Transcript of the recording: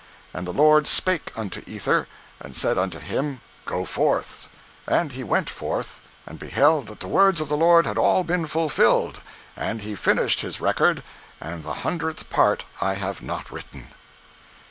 And the Lord spake unto Ether, and said unto him, go forth. And he went forth, and beheld that the words of the Lord had all been fulfilled; and he finished his record; and the hundredth part I have not written.